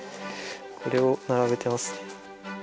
これを並べてますね。